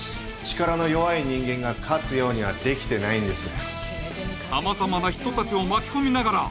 力の弱い人間が勝つようにはできてないんです